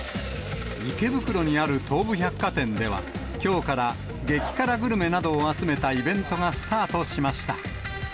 池袋にある東武百貨店では、きょうから激辛グルメなどを集めたイベントがスタートしました。